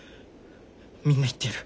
みんな言ってる。